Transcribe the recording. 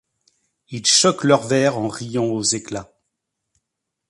Ils choquent leurs verres en riant aux éclats.